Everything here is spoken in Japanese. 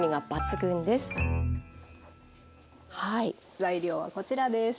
材料はこちらです。